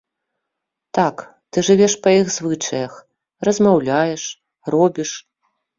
Так, ты жывеш па іх звычаях, размаўляеш, робіш.